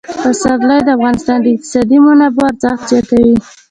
پسرلی د افغانستان د اقتصادي منابعو ارزښت زیاتوي.